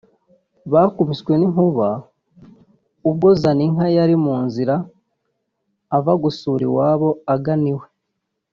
Bakubiswe n’inkuba ubwo Zaninka yari mu nzira ava gusura iwabo agana iwe